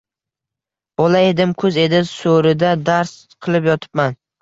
Bola edim… Kuz edi… so’rida dars qilib yotibman.